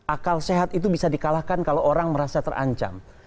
akal sehat itu bisa dikalahkan kalau orang merasa terancam